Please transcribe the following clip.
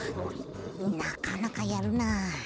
なかなかやるな。